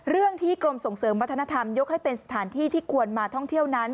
เรื่องที่กรมส่งเสริมวัฒนธรรมยกให้เป็นสถานที่ที่ควรมาท่องเที่ยวนั้น